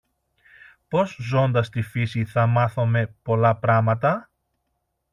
πως ζώντας στη φύση θα μάθομε πολλά πράματα;